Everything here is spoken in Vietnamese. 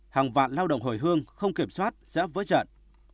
hàng vạn lao động hồi hương không kiểm soát sẽ vỡ trận